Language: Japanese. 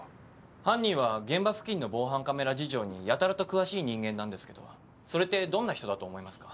犯人は現場付近の防犯カメラ事情にやたらと詳しい人間なんですけどそれってどんな人だと思いますか？